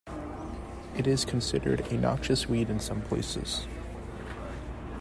It is considered a noxious weed in some places.